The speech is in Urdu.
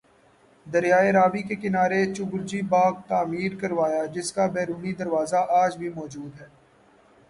دریائے راوی کے کنارے چوبرجی باغ تعمیر کروایا جس کا بیرونی دروازہ آج بھی موجود ہے